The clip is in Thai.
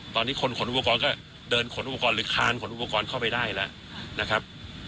ตอนนี้คนขนอุปกรณ์ก็เดินขนอุปกรณ์หรือคานขนอุปกรณ์เข้าไปได้แล้วนะครับ